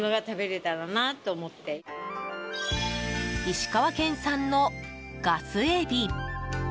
石川県産のガスエビ。